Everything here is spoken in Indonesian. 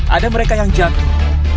ada mereka yang jatuh